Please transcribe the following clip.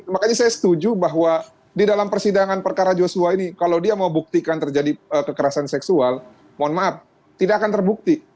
makanya saya setuju bahwa di dalam persidangan perkara yosua ini kalau dia mau buktikan terjadi kekerasan seksual mohon maaf tidak akan terbukti